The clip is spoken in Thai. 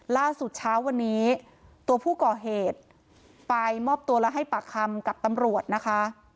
ล่าสุดเช้าวันนี้ตัวผู้ก่อเหตุไปมอบตัวและให้ปากคำกับตำรวจนะคะ